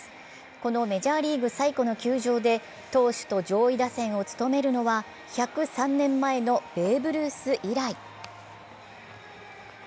このメジャーリーグ最古の球場で投手と上位打線を務めるのは１０３年前のベーブ・ルース以来。